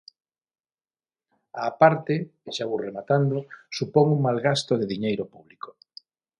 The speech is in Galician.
Á parte –e xa vou rematando– supón un malgasto de diñeiro público.